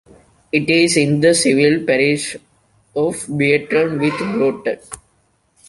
It is in the civil parish of Bierton with Broughton.